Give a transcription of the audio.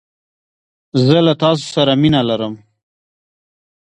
زه له تاسو سره مينه لرم